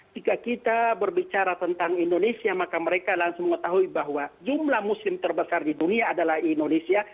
jika kita berbicara tentang indonesia maka mereka langsung mengetahui bahwa jumlah muslim terbesar di dunia adalah indonesia